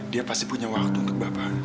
dia pasti punya waktu untuk bapak